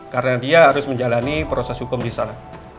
karena dia harus menjalani proses hukum di sana